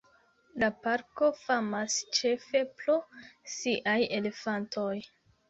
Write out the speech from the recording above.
La parko famas ĉefe pro siaj elefantoj.